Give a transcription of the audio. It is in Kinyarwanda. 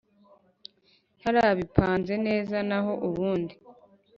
ntarabipanga neza naho ubundi